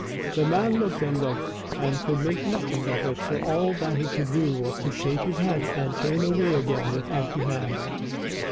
The man looked and looked, and could make nothing of it, so all that he could do was to shake his head and turn away again with empty hands.